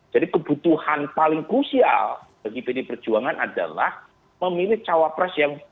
jadi kebutuhan paling krusial bagi pdi perjuangan adalah memilih cawapres yang punya